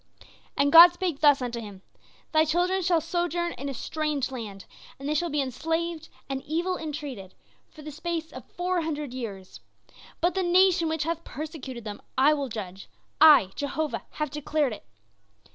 "And God spake thus unto him, 'Thy children shall sojourn in a strange land, and they shall be enslaved and evil entreated for the space of four hundred years. But the nation which hath persecuted them I will judge; I, Jehovah, have declared it.